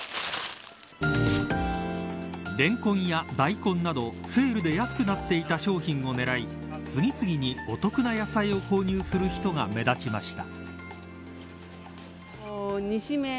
レンコンや大根などセールで安くなっていた商品を狙い次々に、お得な野菜を購入する人が目立ちました。